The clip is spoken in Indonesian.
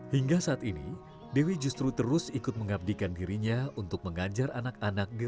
hingga saat ini dewi justru terus ikut mengabdikan dirinya untuk mengajar anak anak generasi